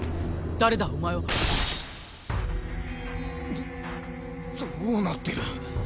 どどうなってる？